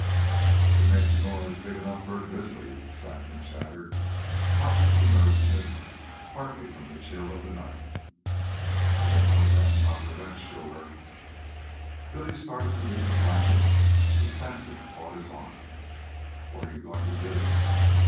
"It makes a noise big enough for a grizzly," Saxon chattered, partly from nervousness, partly from the chill of the night. "It ain't no grasshopper, that's sure." Billy started to leave the blankets, but Saxon caught his arm. "What are you going to do?"